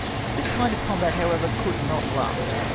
This kind of combat, however, could not last.